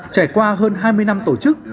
trải qua hơn hai mươi năm tổ chức